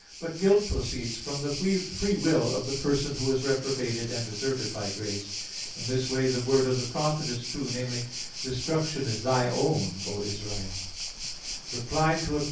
But guilt proceeds from the free will of the person who is reprobated and deserted by grace. In this way, the word of the prophet is true namely, "Destruction is thy own, O Israel." Reply Obj.